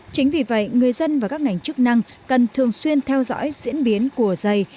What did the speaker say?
chính vì vậy người dân và các ngành chức năng cần thường xuyên theo dõi diễn biến của dây